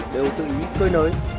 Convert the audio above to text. đều tự ý cơi nới